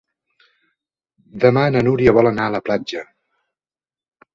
Demà na Núria vol anar a la platja.